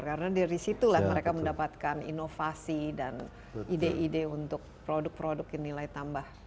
karena dari situlah mereka mendapatkan inovasi dan ide ide untuk produk produk yang nilai tambah